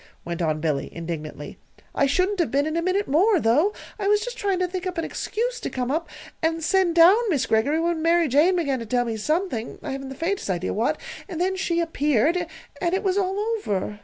went on Billy, indignantly. "I shouldn't have been, in a minute more, though. I was just trying to think up an excuse to come up and send down Miss Greggory, when Mary Jane began to tell me something I haven't the faintest idea what then she appeared, and it was all over.